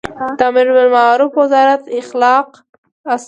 د امربالمعروف وزارت اخلاق څاري